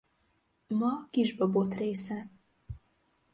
Ma Kisbabot része.